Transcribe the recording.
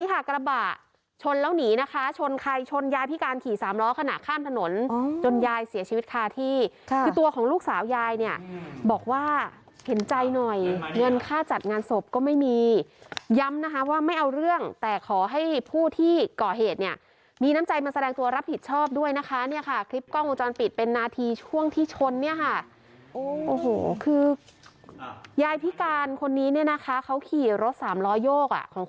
นี่ค่ะกระบะชนแล้วหนีนะคะชนใครชนยายพิการขี่สามล้อขนาดข้ามถนนจนยายเสียชีวิตคาที่คือตัวของลูกสาวยายเนี่ยบอกว่าเห็นใจหน่อยเงินค่าจัดงานศพก็ไม่มีย้ำนะคะว่าไม่เอาเรื่องแต่ขอให้ผู้ที่ก่อเหตุเนี่ยมีน้ำใจมาแสดงตัวรับผิดชอบด้วยนะคะเนี่ยค่ะคลิปกล้องวงจรปิดเป็นนาทีช่วงที่ชนเนี่ยค่ะโอ้โ